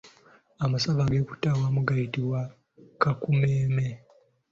Amasavu ageekutte awamu gayitibwa Kakumemme.